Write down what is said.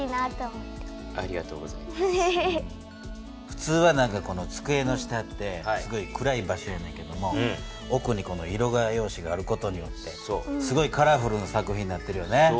ふつうはつくえの下ってすごい暗い場所やねんけども奥に色画用紙がある事によってすごいカラフルな作品になってるよね。